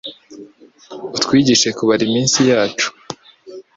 Utwigishe kubara Iminsi yacu,